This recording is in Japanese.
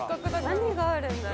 何があるんだろう。